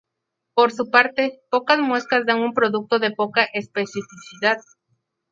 Por su parte, pocas muescas dan un producto de poca especificidad.